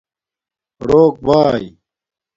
روک بائ